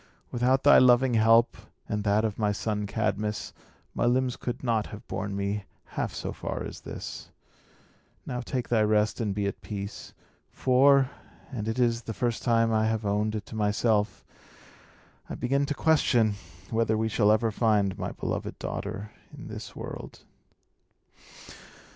Without thy loving help, and that of my son Cadmus, my limbs could not have borne me half so far as this. Now, take thy rest, and be at peace. For and it is the first time I have owned it to myself I begin to question whether we shall ever find my beloved daughter in this world."